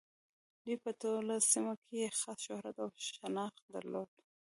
دوی په ټوله سیمه کې یې خاص شهرت او شناخت درلود.